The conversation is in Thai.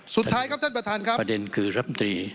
สุดท้ายครับท่านประธานครับ